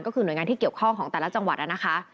ก็คือหน่วยงานที่เกี่ยวข้องของแต่ละจังหวัดนะคะ